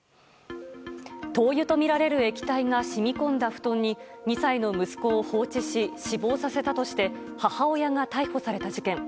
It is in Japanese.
灯油とみられる液体が染み込んだ布団に２歳の息子を放置し死亡させたとして母親が逮捕された事件。